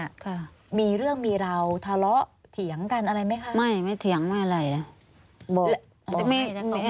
ค่ะมีเรื่องมีราวทะเลาะเถียงกันอะไรไหมคะไม่ไม่เถียงไม่อะไรบอก